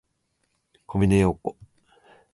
小峰洋子